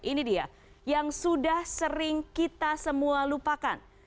ini dia yang sudah sering kita semua lupakan